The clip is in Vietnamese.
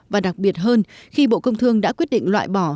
và đặc biệt hơn khi bộ công thương đã quyết định loại bỏ